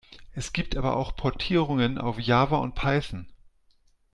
Es gibt aber auch Portierungen auf Java und Python.